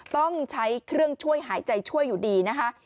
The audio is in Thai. ต้องใช้เครื่องช่วยหายใจช่วยอยู่ดีนะคะ